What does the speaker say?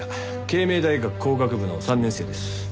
慶明大学工学部の３年生です。